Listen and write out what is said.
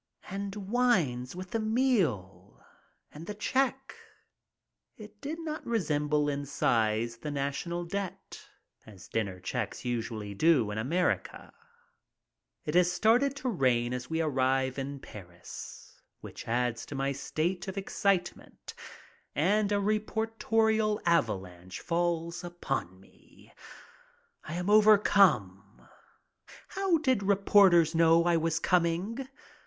And wines with the meal ! And the check ; it did not resem ble in size the national debt, as dinner checks usually do in America. It has started to rain as we arrive in Paris, which adds to my state of excitement, and a reportorial avalanche falls upon me. I am about overcome. How did reporters know I was coming?